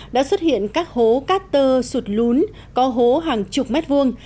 đã xuất hiện các hố cát tơ sụt lún có hố hàng chục mét vuông